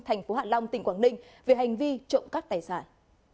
tp hạ long tỉnh quảng ninh về hành vi trộm các tài sản